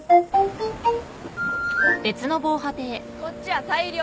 こっちは大漁。